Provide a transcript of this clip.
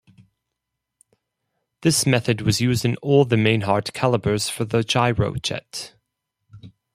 This method was used in all the Mainhardt calibers for the Gyrojet.